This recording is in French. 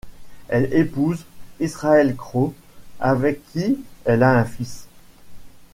Elle épouse Israël Kro, avec qui elle a un fils.